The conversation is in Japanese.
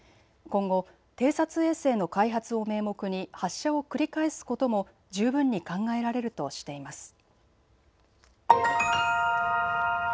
今後、偵察衛星の開発を名目に発射を繰り返すことも十分に考えられるとしています。